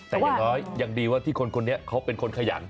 แต่อย่างน้อยยังดีว่าที่คนคนนี้เขาเป็นคนขยัน